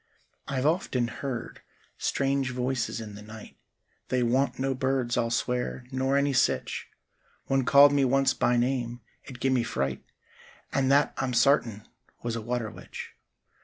I've often heard strange voices in the night— They wan't no birds I'll swer, nor any sitch— One called me once by name; it gim'me fright— And that I'm sartin was a water witch.